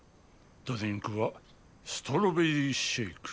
ドリンクはストロベリーシェイク。